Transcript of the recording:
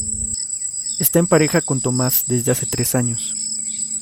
Está en pareja con Tomás desde hace tres años.